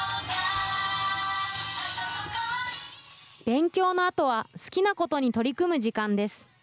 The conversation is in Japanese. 勉強のあとは、好きなことに取り組む時間です。